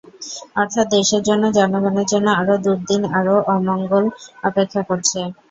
অর্থাৎ দেশের জন্য, জনগণের জন্য আরও দুর্দিন আরও অমঙ্গল অপেক্ষা করছে।